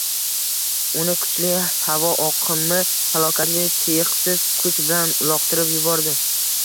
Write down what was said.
uni kuchli havo oqimi halokatli tiyiqsiz kuch bilan uloqtirib yubordi.